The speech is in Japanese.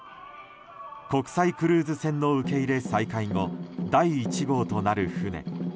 国際クルーズ船の受け入れ再開後第１号となる船。